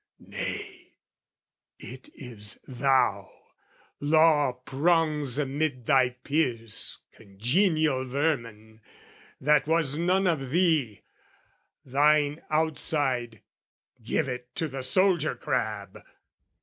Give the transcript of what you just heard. Nay, it is thou, Law prongs amid thy peers, Congenial vermin; that was none of thee, Thine outside, give it to the soldier crab!